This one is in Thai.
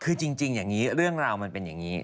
คือจริงอย่างนี้เรื่องราวมันเป็นอย่างนี้